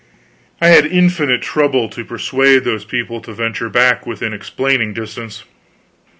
I had infinite trouble to persuade those people to venture back within explaining distance.